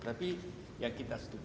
tapi yang kita setuju ibu